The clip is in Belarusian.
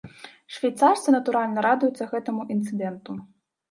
Швейцарцы, натуральна, радуюцца гэтаму інцыдэнту.